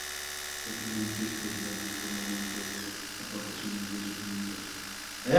Se financia exclusivamente mediante las aportaciones de sus miembros.